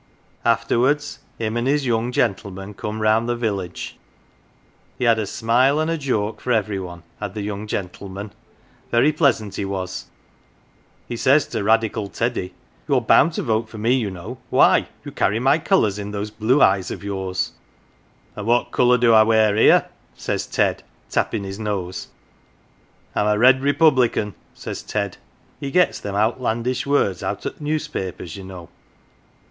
Afterwards him and his young gentleman come round the village he had a smile an' a joke for every one, had the young gentleman very pleasant he was. He says to Radical Teddy :' You're bound to vote for me, you know. Why, you cany my colours in those blue eyes of yours. 1 "' An' what colour do I wear here ?' says Ted, tappin' his nose. 'I'm a red republican,' says Ted (he gets them o u t landish words out o' the newspapers, ye know).